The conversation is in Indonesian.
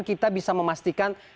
kita bisa memastikan